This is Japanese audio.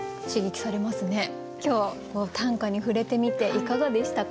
今日短歌に触れてみていかがでしたか？